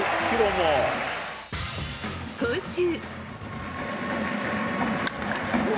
今週。